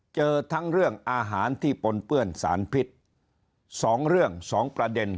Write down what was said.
เจอทั้งเรื่องอาหารที่ปนเปื้อนสารพิษสองเรื่องสองประเด็น